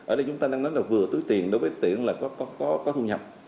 ở đây chúng ta đang nói là vừa túi tiền đối với tiền là có thu nhập